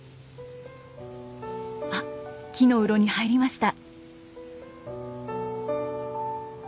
あっ木のうろに入りました。